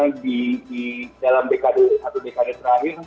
vietnam terutama di dalam dekade atau dekade terakhir